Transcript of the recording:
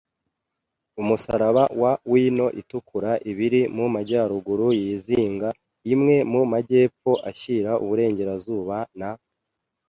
umusaraba wa wino itukura - ibiri mu majyaruguru yizinga, imwe mu majyepfo ashyira uburengerazuba - na